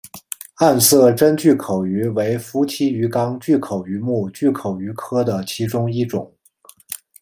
暗色真巨口鱼为辐鳍鱼纲巨口鱼目巨口鱼科的其中一种。